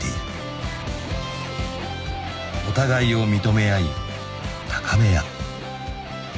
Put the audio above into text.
［お互いを認め合い高め合う］